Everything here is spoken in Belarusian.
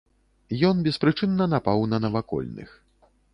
Ён беспрычынна напаў на навакольных.